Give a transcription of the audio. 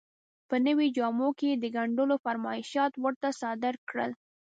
په نویو جامو کې یې د ګنډلو فرمایشات ورته صادر کړل.